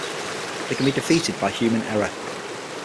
They can be defeated by human error.